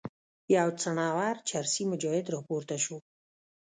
یو څڼور چرسي مجاهد راپورته شو.